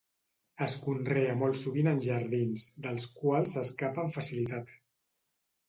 Es conrea molt sovint en jardins, dels quals s'escapa amb facilitat.